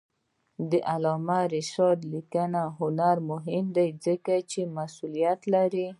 د علامه رشاد لیکنی هنر مهم دی ځکه چې مسئولیت لري.